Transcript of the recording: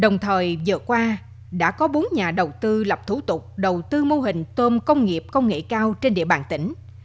đồng thời vừa qua đã có bốn nhà đầu tư lập thủ tục đầu tư mô hình tôm công nghiệp công nghệ cao trên địa bàn tỉnh